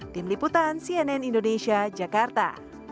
tim liputan cnn indonesia jakarta